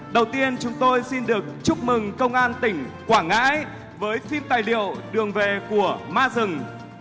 đầu tiên chúng tôi xin được chúc mừng công an tỉnh quảng ngãi với phim tài liệu đường về của ma rừng